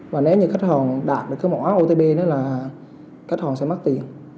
và nếu như khách hàng đạt được cái mỏ otp đó là khách hàng sẽ mất tiền